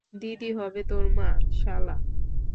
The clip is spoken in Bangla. দিদি হবে তোর মা, শালা।